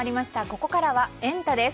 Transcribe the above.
ここからはエンタ！です。